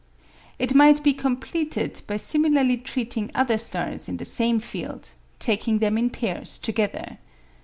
It might be completed by similarly treating other stars in the same field, taking them in pairs together.